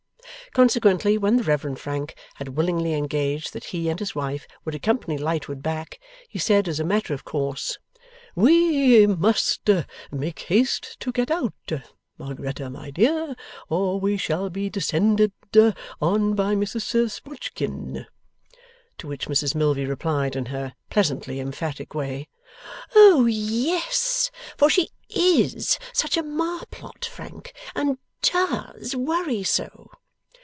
Consequently, when the Reverend Frank had willingly engaged that he and his wife would accompany Lightwood back, he said, as a matter of course: 'We must make haste to get out, Margaretta, my dear, or we shall be descended on by Mrs Sprodgkin.' To which Mrs Milvey replied, in her pleasantly emphatic way, 'Oh YES, for she IS such a marplot, Frank, and DOES worry so!